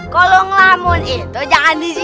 kalau ngelamun itu jangan di sini